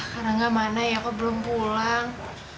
karangga mana ya kok belum pulang